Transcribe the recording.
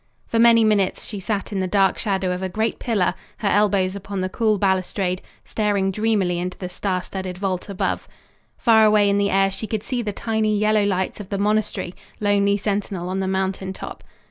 For many minutes she sat in the dark shadow of a great pillar, her elbows upon the cool balustrade, staring dreamily into the star studded vault above. Far away in the air she could see the tiny yellow lights of the monastery, lonely sentinel on the mountain top.